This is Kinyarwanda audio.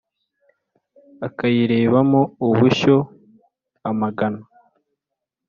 akayirebamo ubushyo amagana